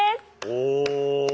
お！